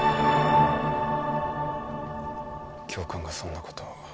教官がそんなことを。